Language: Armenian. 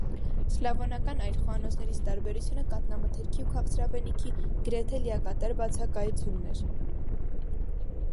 Սլավոնական այլ խոհանոցներից տարբերությունը կաթնամթերքի ու քաղցրավենիքի գրեթե լիակատար բացակայությունն էր։